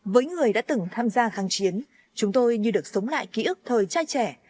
với người đã từng tham gia kháng chiến chúng tôi như được sống lại ký ức thời trai trẻ